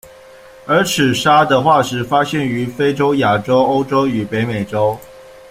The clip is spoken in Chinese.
耳齿鲨的化石发现于非洲、亚洲、欧洲与北美洲。